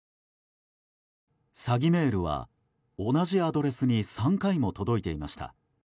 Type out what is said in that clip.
詐欺メールは同じアドレスに３回も届いていました。